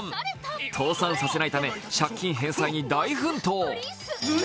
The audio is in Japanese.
倒産させないため、借金返済に大奮闘。